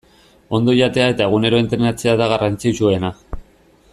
Ondo jatea eta egunero entrenatzea da garrantzitsuena.